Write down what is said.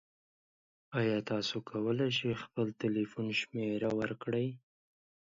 ایا تاسو کولی شئ خپل تلیفون شمیره ورکړئ؟